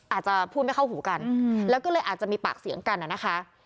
อาจจะพูดไม่เข้าหูกันแล้วก็เลยอาจจะมีปากเสียงกันนะคะ